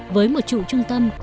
với một trụ trung tâm